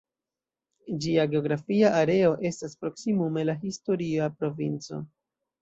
Ĝia geografia areo estas proksimume la historia provinco.